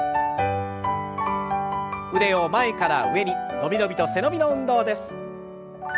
腕を前から上に伸び伸びと背伸びの運動です。